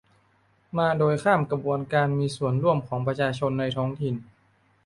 มาโดยข้ามกระบวนการมีส่วนร่วมของประชาชนในท้องถิ่น